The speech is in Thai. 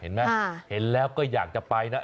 เห็นไหมเห็นแล้วก็อยากจะไปนะ